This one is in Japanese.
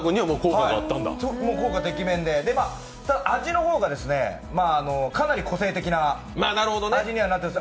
効果てきめんで、かなり個性的な味にはなってます。